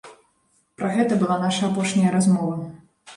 Пра гэта была наша апошняя размова.